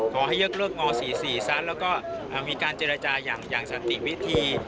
ขอให้ยกเลิกง๔๔ซะแล้วก็มีการเจรจาอย่างสันติวิธี